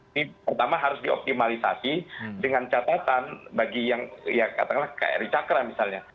ini pertama harus dioptimalisasi dengan catatan bagi yang ya katakanlah kri cakra misalnya